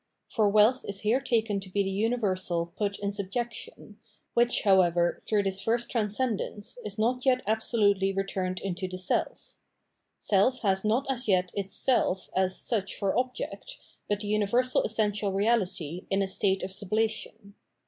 Eor wealth is here taken to be the universal put in subjec tion, which, however, through this first transcendence, is not yet absolutely returned into the self. Self has not as yet its self as such for object, but the universal essential reality in a state of sublation.